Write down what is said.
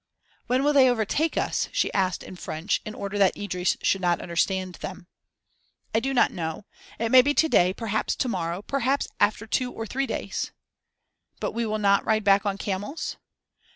"When will they overtake us?" she asked in French in order that Idris should not understand them. "I do not know. It may be to day; perhaps to morrow; perhaps after two or three days." "But we will not ride back on camels?"